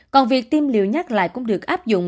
còn việc tiêm liều nhắc lại cũng được áp dụng